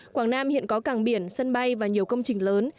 quảng nam hiện có càng biển sân bay và nhiều công trình lớn